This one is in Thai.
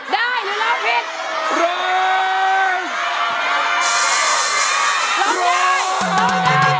ได้หรือร้องผิด